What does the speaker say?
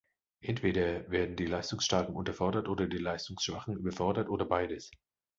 Entweder werden die Leistungsstarken unterfordert oder die Leistungsschwachen überfordert oder beides.